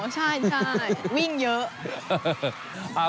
โอ้โหใช่วิ่งเยอะ